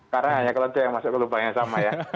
karena hanya kelanjutan yang masuk ke lubang yang sama ya